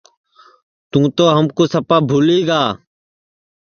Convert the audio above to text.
تُوں تو ہمکُو سپا بھولی گا